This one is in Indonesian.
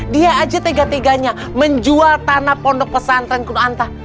dia aja tega teganya menjual tanah pondok pesantren kuduantah